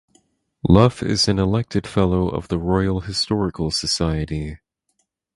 Luff is an elected Fellow of the Royal Historical Society.